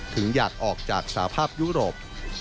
ถึงอยากออกจากสภาพยุโรป